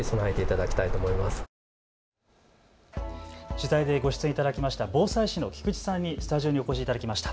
取材でご出演いただきました防災士の菊池さんにスタジオにお越しいただきました。